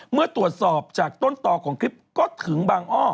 เมื่อตรวจสอบจากต้นต่อของคลิปก็ถึงบางอ้อ